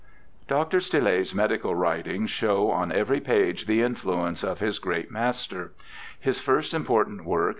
Dr. Stille's medical writings show on every page the influence of his great master. His first important work.